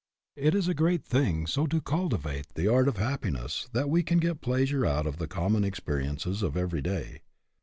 It is a great thing so to cultivate the art of happiness that we can get pleasure out of the common experiences of every day.